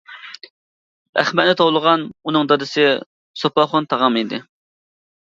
ئەخمەتنى توۋلىغان، ئۇنىڭ دادىسى سوپاخۇن تاغام ئىدى.